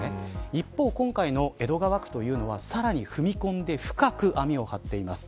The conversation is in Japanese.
一方、今回の江戸川区というのはさらに踏み込んで深く網を張っています。